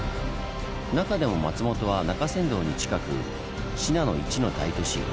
中でも松本は中山道に近く信濃一の大都市。